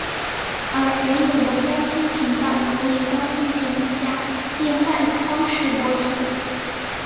而原有的标清频道则以高清节目下变换方式播出。